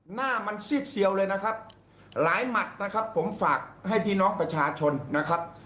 หน้ามันซีดเซียวเลยนะครับหลายหมัดนะครับผมฝากให้พี่น้องประชาชนนะครับ